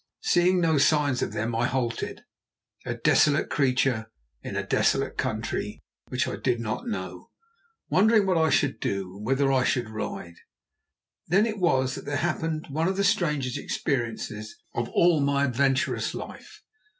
Seeing no signs of them, I halted, a desolate creature in a desolate country which I did not know, wondering what I should do and whither I should ride. Then it was that there happened one of the strangest experiences of all my adventurous life.